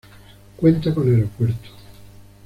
Cuenta con aeropuerto.